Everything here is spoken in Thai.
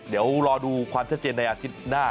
เดี๋ยวรอดูความชัดเจนในอาทิตย์หน้า